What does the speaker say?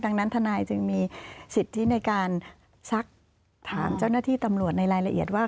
ดังนั้นทนายจึงมีสิทธิในการซักถามเจ้าหน้าที่ตำรวจในรายละเอียดว่า